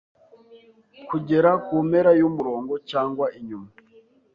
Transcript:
kugera kumpera yumurongo cyangwa inyuma